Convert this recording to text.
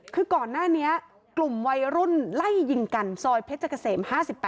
คือก่อนหน้านี้กลุ่มวัยรุ่นไล่ยิงกันซอยเพชรเกษม๕๘